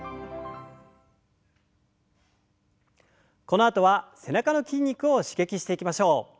このあとは背中の筋肉を刺激していきましょう。